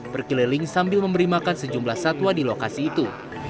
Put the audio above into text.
berkeliling sambil memberi makan sejumlah satwa di lokasi itu